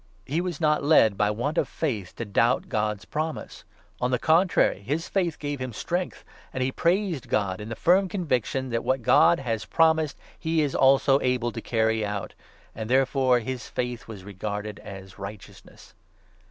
He was not led by want of faith 20 to doubt God's promise. On the contrary, his faith gave him 21 strength ; and he praised God, in the firm conviction that what God has promised he is also able to carry out. And 22 therefore his faith 'was regarded as righteousness.'